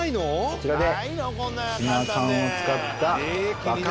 こちらで。